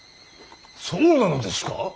そうなのですか！